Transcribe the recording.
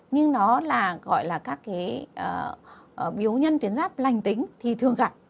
nhưng nó là gọi là các cái biểu nhân tuyến giáp lành tính thì thường gặp